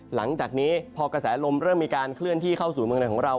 หลังจากนี้พอกระแสลมเริ่มมีการเคลื่อนที่เข้าสู่เมืองในของเรา